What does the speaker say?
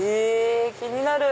気になる！